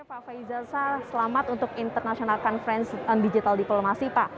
pak faizaza selamat untuk internasional conference digital diplomasi pak